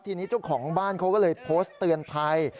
ทีนี้เจ้าของบ้านเขาก็เลยโพสต์เตือนภัย